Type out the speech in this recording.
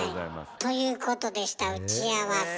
ということでした「打ち合わせ」。